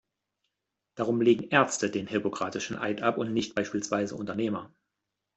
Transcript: Darum legen Ärzte den Hippokratischen Eid ab und nicht beispielsweise Unternehmer.